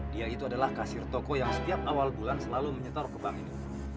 dia itu adalah kasir toko yang setiap awal bulan selalu menyetar kebang ini